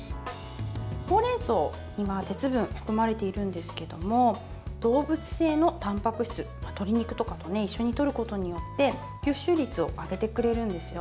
ほうれんそうには鉄分含まれているんですけど動物性のたんぱく質、鶏肉とかと一緒にとることによって吸収率を上げてくれるんですよ。